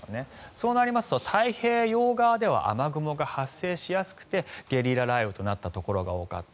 そうなると太平洋側では雨雲が発生しやすくてゲリラ雷雨となったところが多かった。